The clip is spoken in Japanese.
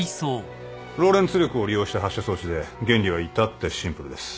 ローレンツ力を利用した発射装置で原理は至ってシンプルです。